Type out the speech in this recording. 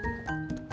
ya udah abang